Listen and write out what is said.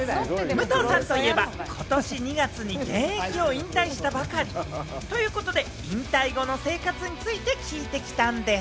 武藤さんといえば今年２月に現役を引退したばかり。ということで、引退後の生活について聞いてきたんでぃす。